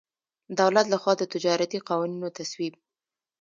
دولت له خوا د تجارتي قوانینو تصویب.